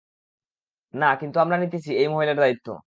না, কিন্তু আমরা নিতেছি, এই মহলের দায়িত্ব।